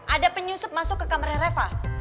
ada penyusup masuk ke kamarnya reva